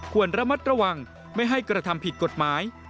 ควรระมัดระวังไม่ให้กระทำผิดกฎหมาย